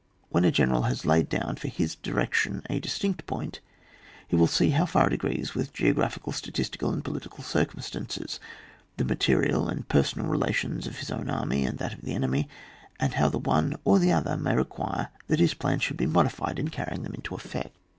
When a general has laid down for his direction a distinct point, he will see how far it agrees with geographical, statistical, and political circumstances, the material and personal relations of his own army and that of the epemy, and how the one or the other may require that his plans should be modified in carrying them into effect.